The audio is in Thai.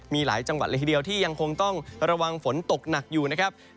มีหลายจังหวัดเลยทีเดียวที่ยังคงต้องระวังฝนตกหนักอยู่นะครับ